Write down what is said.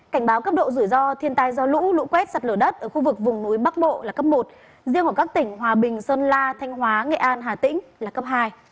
cảnh báo cấp độ rủi ro thiên tai do lũ lũ quét sạt lở đất ở khu vực vùng núi bắc bộ là cấp một riêng ở các tỉnh hòa bình sơn la thanh hóa nghệ an hà tĩnh là cấp hai